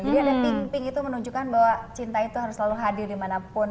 jadi ada pink pink itu menunjukkan bahwa cinta itu harus selalu hadir dimanapun